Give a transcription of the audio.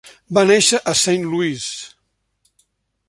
Va néixer a Saint Louis.